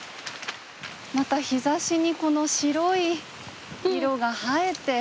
また日ざしにこの白い色が映えて。